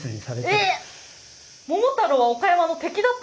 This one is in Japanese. えっ！？